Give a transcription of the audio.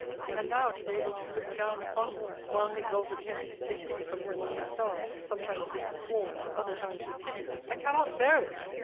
And now to be able to look down upon me, while her exalted head is hid from me among the stars, sometimes with scorn, at other times with pity; I cannot bear it.